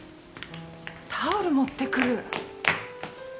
タオル持ってくる。